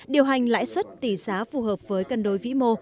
điều hành lãi suất tỷ giá phù hợp với cân đối vĩ mô